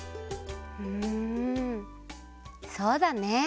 うんそうだね。